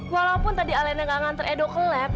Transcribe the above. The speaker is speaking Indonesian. walaupun tadi alena gak ngantar edo ke lab